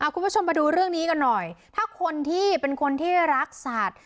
คุณผู้ชมมาดูเรื่องนี้กันหน่อยถ้าคนที่เป็นคนที่รักสัตว์